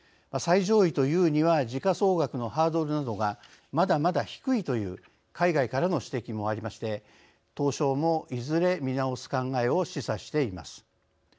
最上位というには時価総額のハードルなどがまだまだ低いという海外からの指摘もありまして東証も、いずれ見直す考えを示唆しています。